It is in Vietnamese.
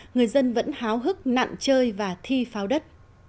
người dân vẫn háo hức nạn chơi và thi pháo đất